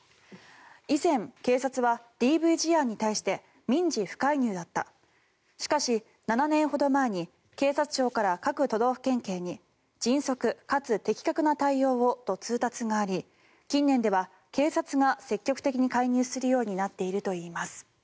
以前、警察はＤＶ事案に対して民事不介入だったしかし、７年ほど前に警察庁から各都道府県警に迅速かつ的確な対応をと通達があり近年では警察が積極的に介入するようになっているといいます。